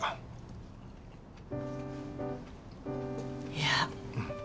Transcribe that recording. いや。